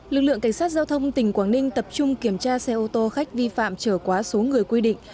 lực lượng cảnh sát giao thông tỉnh quảng ninh tập trung kiểm tra xe ô tô khách vi phạm trở quá số người quy định